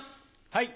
はい。